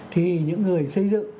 thì những người xây dựng